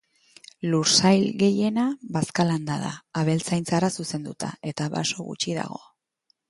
Lursail gehiena bazka-landa da, abeltzaintzara zuzenduta, eta baso gutxi dago.